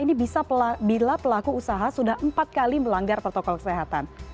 ini bisa bila pelaku usaha sudah empat kali melanggar protokol kesehatan